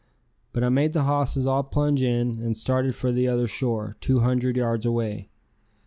But I made the hosses all plunge in and started for the other shore, two hundred yards away.